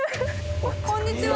こんにちは。